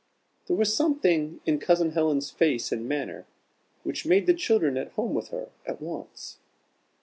There was something in Cousin Helen's face and manner, which made the children at home with her at once.